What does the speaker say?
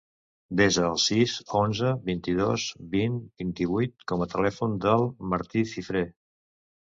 Desa el sis, onze, vint-i-dos, vint, vint-i-vuit com a telèfon del Martí Cifre.